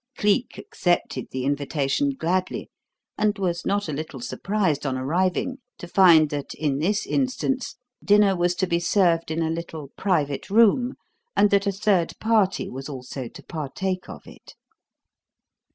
Cleek accepted the invitation gladly and was not a little surprised on arriving to find that, in this instance, dinner was to be served in a little private room and that a third party was also to partake of it.